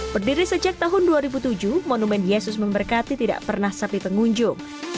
berdiri sejak tahun dua ribu tujuh monumen yesus memberkati tidak pernah sepi pengunjung